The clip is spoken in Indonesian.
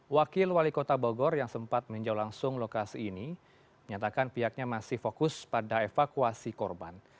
wakil wali kota bogor yang sempat meninjau langsung lokasi ini menyatakan pihaknya masih fokus pada evakuasi korban